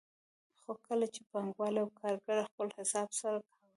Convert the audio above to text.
خو کله چې به پانګوال او کارګر خپل حساب سره کاوه